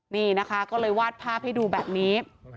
นี่นะคะก็เลยวาดภาพให้ดูแบบนี้